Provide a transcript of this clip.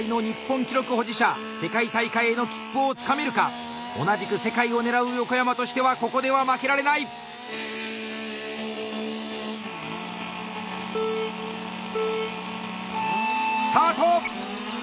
世界大会への切符をつかめるか⁉同じく世界を狙う横山としてはここでは負けられない！スタート！